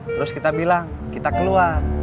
terus kita bilang kita keluar